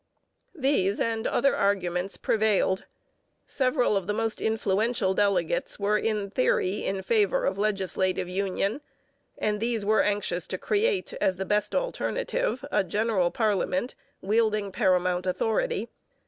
These and other arguments prevailed. Several of the most influential delegates were in theory in favour of legislative union, and these were anxious to create, as the best alternative, a general parliament wielding paramount authority.